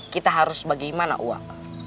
kita harus bagaimana pak